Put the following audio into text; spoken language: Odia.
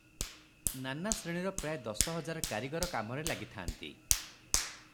ନାନା ଶ୍ରେଣୀର ପ୍ରାୟ ଦଶ ହଜାର କାରିଗର କାମରେ ଲାଗିଥାନ୍ତି ।